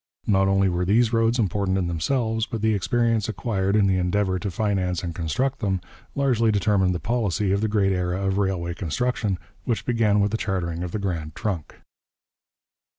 Not only were these roads important in themselves, but the experience acquired in the endeavour to finance and construct them largely determined the policy of the great era of railway construction which began with the chartering of the Grand Trunk.